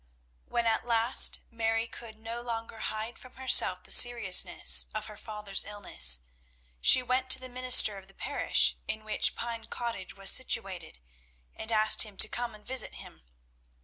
When at last Mary could no longer hide from herself the seriousness of her father's illness, she went to the minister of the parish in which Pine Cottage was situated and asked him to come and visit him.